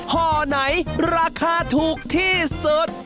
ห่อไหนราคาถูกที่สุด